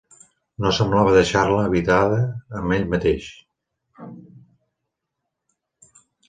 No semblava deixar-la habitada amb ell mateix.